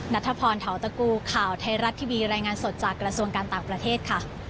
นัทพรเทาตะกูข่าวไทยรัฐทีวีรายงานสดจากกระทรวงการต่างประเทศค่ะ